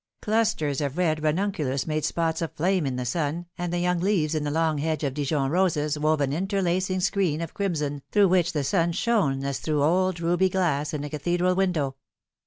Clusters of red ranunculus made spots of flame in the sun, and the young leaves in the long hedge of Dijon roses wove an interlacing screen of crimson, through which the sun shone as through old ruby glass in a cathedral window.